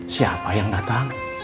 siapa yang datang